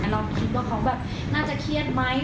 เราคิดว่าเขาแบบน่าจะเครียดไหม